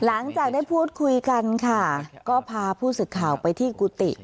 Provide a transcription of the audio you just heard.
หลังจากได้พูดคุยกันค่ะก็พาผู้สื่อข่าวไปที่กุฏิ